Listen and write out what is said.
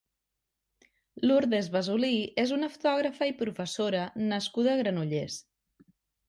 Lurdes Basolí és una fotògrafa i professora nascuda a Granollers.